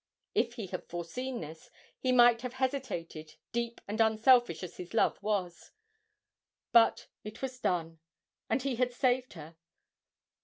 If he had foreseen this, he might have hesitated, deep and unselfish as his love was; but it was done, and he had saved her.